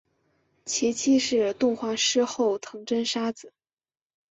其妻是动画师后藤真砂子。